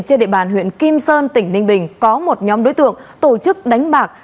trên địa bàn huyện kim sơn tỉnh ninh bình có một nhóm đối tượng tổ chức đánh bạc